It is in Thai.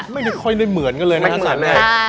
ไม่ได้ค่อยเหมือนกันเลยนะภาษาแรก